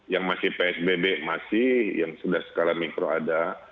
yang masih psbb masih yang sudah skala mikro ada